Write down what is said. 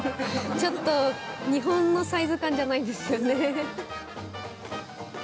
ちょっと日本のサイズ感じゃないですよね。